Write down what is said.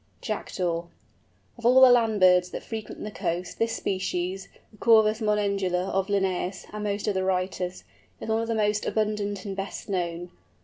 JACKDAW. Of all the land birds that frequent the coast this species, the Corvus monedula of Linnæus and most other writers, is one of the most abundant and best known.